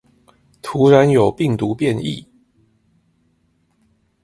突然有病毒變異